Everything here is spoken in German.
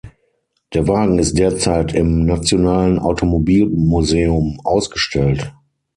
Der Wagen ist derzeit im Nationalen Automobilmuseum ausgestellt.